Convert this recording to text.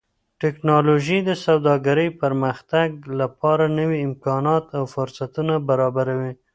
ټکنالوژي د سوداګرۍ پرمختګ لپاره نوي امکانات او فرصتونه برابروي.